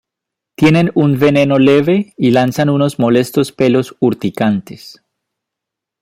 Tienen un veneno leve y lanzan unos molestos pelos urticantes.